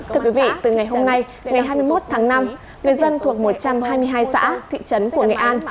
thưa quý vị từ ngày hôm nay ngày hai mươi một tháng năm người dân thuộc một trăm hai mươi hai xã thị trấn của nghệ an